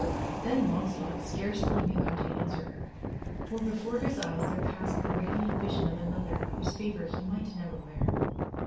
Then Launcelot scarcely knew how to answer her, for before his eyes there passed the radiant vision of another whose favor he might never wear.